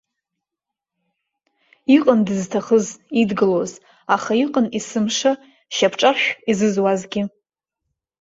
Иҟан дызҭахыз, идгылоз, аха иҟан есымша шьапҿаршә изызуазгьы!